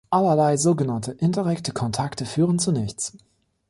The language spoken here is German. Allerlei sogenannte indirekte Kontakte führen zu nichts.